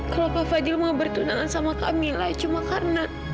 kalau kak fadhil mau bertunangan dengan camilla cuma karena